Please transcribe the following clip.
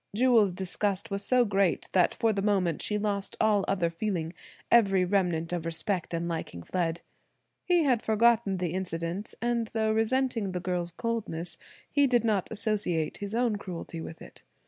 Jewel's disgust was so great that for the moment she lost all other feeling, every remnant of respect and liking fled. He had forgotten the incident; and though resenting the girl's coldness, he did not associate his own cruelty with it.